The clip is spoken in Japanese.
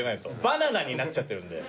バナナになっちゃってるんで。